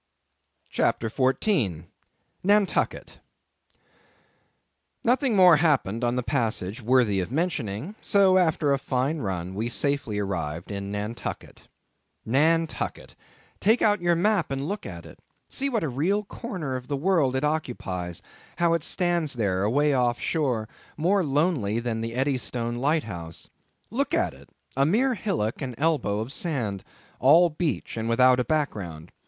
CHAPTER 14. Nantucket. Nothing more happened on the passage worthy the mentioning; so, after a fine run, we safely arrived in Nantucket. Nantucket! Take out your map and look at it. See what a real corner of the world it occupies; how it stands there, away off shore, more lonely than the Eddystone lighthouse. Look at it—a mere hillock, and elbow of sand; all beach, without a background.